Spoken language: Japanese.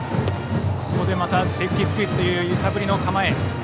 ここでまたセーフティースクイズという揺さぶりの構え。